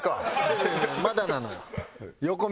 まだなのよ。